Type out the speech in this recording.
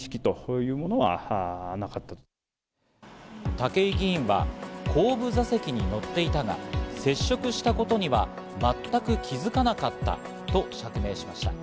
武井議員は後部座席に乗っていたが、接触したことには全く気づかなかったと釈明しました。